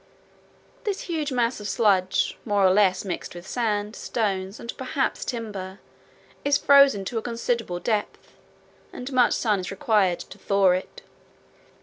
This huge mass of sludge, more or less mixed with sand, stones, and perhaps timber, is frozen to a considerable depth, and much sun heat is required to thaw it.